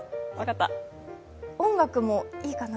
音楽いいかな？